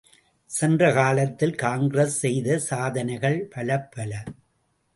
சென்ற காலத்தில் காங்கிரஸ் செய்த சாதனைகள் பலப்பல!